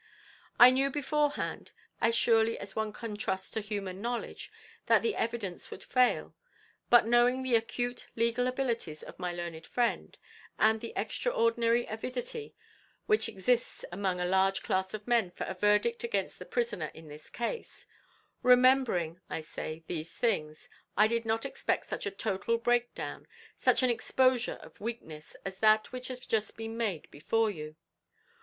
I knew beforehand, as surely as one can trust to human knowledge, that the evidence would fail; but knowing the acute legal abilities of my learned friend, and the extraordinary avidity which exists among a large class of men for a verdict against the prisoner in this case, remembering, I say, these things, I did not expect such a total break down, such an exposure of weakness as that which has been just made before you.